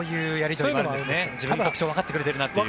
自分の特徴をわかってくれてるなという。